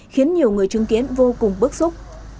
khiến nhiều người chứng kiến vô cùng bức xúc